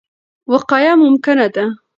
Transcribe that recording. وقایه ممکنه ده.